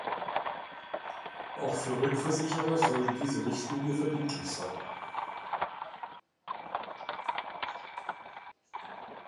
Auch für Rückversicherer sollte diese Richtlinie verbindlich sein.